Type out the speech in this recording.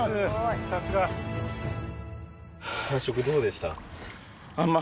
感触どうでした？